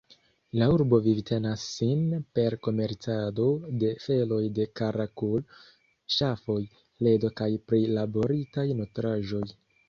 La urbo vivtenas sin per komercado de feloj de karakul-ŝafoj, ledo kaj prilaboritaj nutraĵoj.